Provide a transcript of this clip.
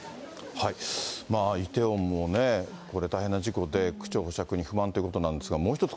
イテウォンもね、これ、大変な事故で、区長保釈に不満ということなんですけれども、もう一つ